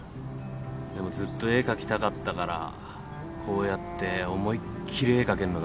でもずっと絵描きたかったからこうやって思いっ切り絵描けんのがうれしくてよ。